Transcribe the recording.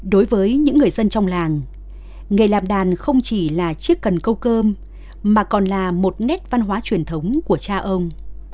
đối với những người dân trong làng nghề làm đàn không chỉ là chiếc cần câu cơm mà còn là một nét văn hóa truyền thống của cha ông